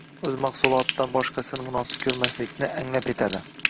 o'z mahsulotidan boshqasini munosib ko'rmaslikni anglab yetadi.